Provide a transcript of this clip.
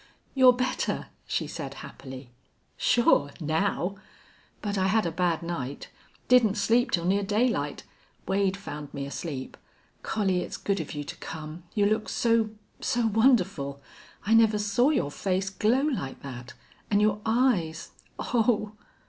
"You're better," she said, happily. "Sure now. But I had a bad night. Didn't sleep till near daylight. Wade found me asleep.... Collie, it's good of you to come. You look so so wonderful! I never saw your face glow like that. And your eyes oh!"